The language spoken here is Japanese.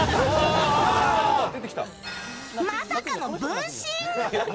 まさかの分身！